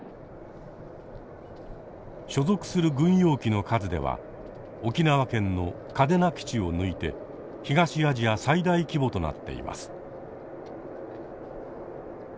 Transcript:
所属する軍用機の数では沖縄県の嘉手納基地を抜いて“東アジア最大規模”となっています。